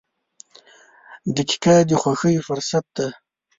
• دقیقه د خوښۍ فرصت ده.